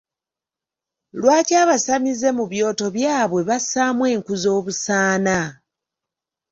Lwaki abasamize mu byoto byabwe bassaamu enku z'obusaana?